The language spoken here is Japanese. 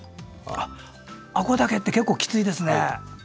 あごだけって結構きついですね。